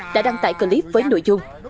đã đăng tải clip với nội dung